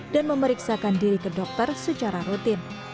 dan memeriksakan diri ke dokter secara rutin